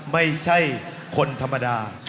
ไม่ใช่คนธรรมดา